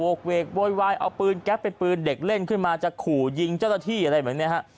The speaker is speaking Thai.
กเวกโวยวายเอาปืนแก๊ปเป็นปืนเด็กเล่นขึ้นมาจะขู่ยิงเจ้าหน้าที่อะไรแบบนี้ฮะ